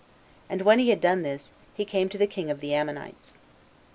And when he had done this, he came to the king of the Ammonites.